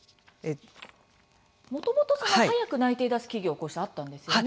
もともと早く内定を出す企業こうしてあったんですよね？